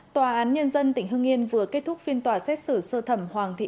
tòa án nhân dân tỉnh hưng yên vừa kết thúc phiên tòa xét xử sơ thẩm hoàng thị